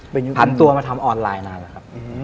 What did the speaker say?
พันตัวมาทำออนไลน์นานแล้วครับ